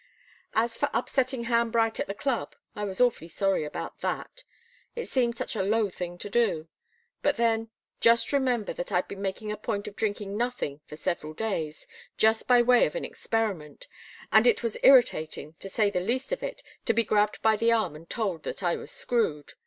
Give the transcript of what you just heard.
As for upsetting Ham Bright at the club, I was awfully sorry about that. It seemed such a low thing to do. But then just remember that I'd been making a point of drinking nothing for several days, just by way of an experiment, and it was irritating, to say the least of it, to be grabbed by the arm and told that I was screwed.